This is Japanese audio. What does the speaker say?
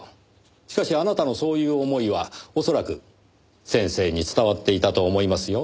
しかしあなたのそういう思いは恐らく先生に伝わっていたと思いますよ。